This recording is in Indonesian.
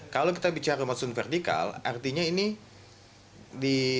kalau kita bicara rumah susun vertikal artinya ini